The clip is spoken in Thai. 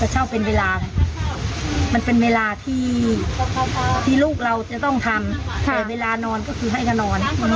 เช่าเป็นเวลาไงมันเป็นเวลาที่ลูกเราจะต้องทำแต่เวลานอนก็คือให้ก็นอน